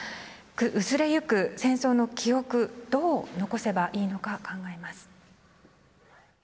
薄れゆく戦争の記憶どう残せばいいのか考えます。